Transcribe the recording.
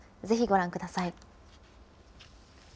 ぜひ、ご覧ください。